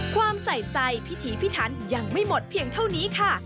ความใส่ใจพิถีพิถันยังไม่หมดเพียงเท่านี้ค่ะ